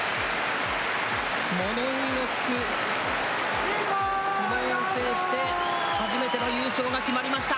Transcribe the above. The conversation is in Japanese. もの言いのつく相撲を制して、初めての優勝が決まりました。